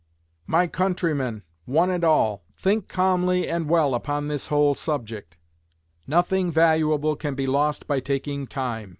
My countrymen, one and all, think calmly and well upon this whole subject. Nothing valuable can be lost by taking time.